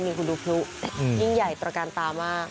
นี่คุณดูพลุยิ่งใหญ่ตระการตามาก